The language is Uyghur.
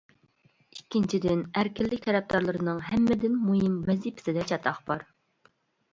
ئىككىنچىدىن، ئەركىنلىك تەرەپدارلىرىنىڭ ھەممىدىن مۇھىم ۋەزىپىسىدە چاتاق بار.